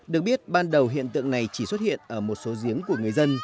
được biết ban đầu hiện tượng này chỉ xuất hiện ở một số giếng của người dân